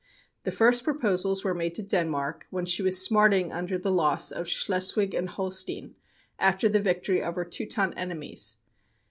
The first proposals were made to Denmark when she was smarting under the loss of Schleswig and Holstein, after the victory of her Teuton enemies.